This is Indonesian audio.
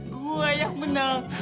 gua yang menang